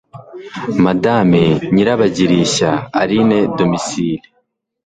Madame NYIRABAGIRISHYA Aline domicili e